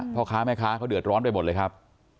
พ่อค้าแม่ค้าเขาเดือดร้อนไปหมดเลยครับ